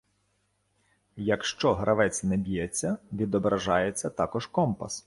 Якщо гравець не б'ється, відображається також компас.